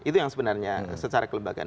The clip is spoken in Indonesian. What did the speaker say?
itu yang sebenarnya secara kelembagaan